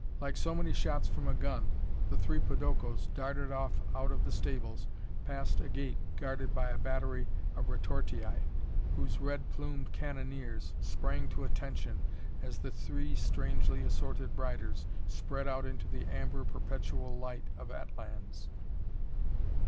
Like so many shots from a gun the three podokos darted off out of the stables, past a gate guarded by a battery of retortii, whose red plumed cannoneers sprang to attention as the three strangely assorted riders sped out into the amber, perpetual light of Atlans.